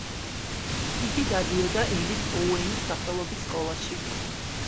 იგი დადიოდა ელის ოუენის სახელობის სკოლაში.